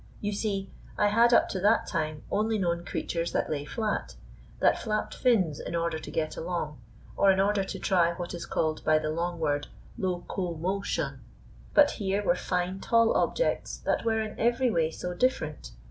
You see, I had up to that time only known creatures that lay flat, that flapped fins in order to get along, or in order to try what is called by the long word, lo co mo tion. But here were fine, tall objects that were in every way so different!